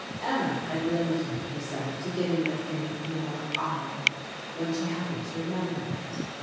Emma had limited herself to giving the thing "more ile" when she happened to remember it.